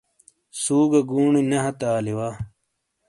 سُو گہ گُونی نے ہتے آلی وا۔